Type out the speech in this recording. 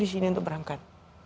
di sini untuk berangkat